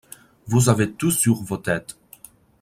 Vous avez tous sur vos têtes